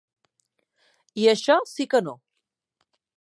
I això sí que no.